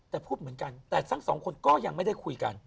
แต่พูดเหมือนกันแต่ทั้งสองคนก็ยังไม่ได้คุยกัน